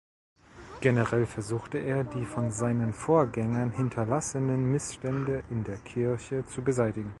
Generell versuchte er, die von seinen Vorgängern hinterlassenen Missstände in der Kirche zu beseitigen.